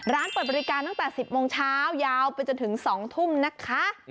ร้านเปิดบริการตั้งแต่๑๐โมงเช้ายาวไปจนถึง๒ทุ่มนะคะ